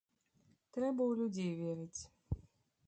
Трэба ў людзей верыць!